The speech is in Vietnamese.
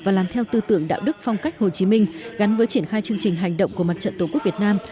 và làm theo tư tưởng đạo đức phong cách hồ chí minh gắn với triển khai chương trình hành động của mặt trận tổ quốc việt nam